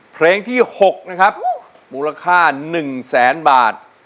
เพลงที่๖มูลค่า๑แสนบาท